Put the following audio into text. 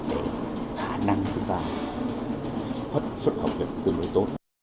đã năng chúng ta phát xuất học hiệp từ nơi tốt